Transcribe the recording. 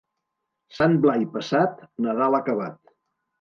Sant Blai passat, Nadal acabat.